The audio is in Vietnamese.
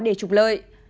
để trục lợi